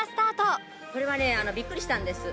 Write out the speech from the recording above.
これはねビックリしたんです。